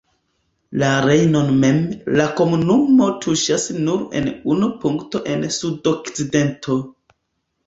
La Rejnon mem, la komunumo tuŝas nur en unu punkto en sudokcidento.